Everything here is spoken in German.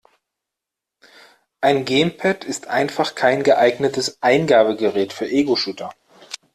Ein Gamepad ist einfach kein geeignetes Eingabegerät für Egoshooter.